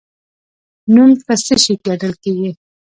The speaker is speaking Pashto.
نوم په څه شي ګټل کیږي؟